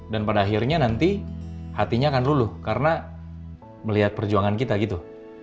dan pada akhirnya nanti hatinya akan luluh karena melihat perjuangan kita gitu